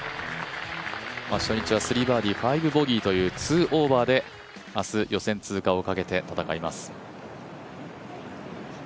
初日は３バーディー５ボギーという２オーバーで、明日、予選通過をかけて戦います。